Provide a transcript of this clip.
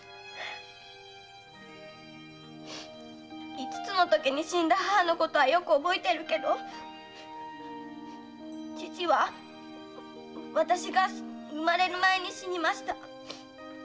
五つのときに死んだ母のことはよく覚えてるけど父は私が生まれる前に死にました。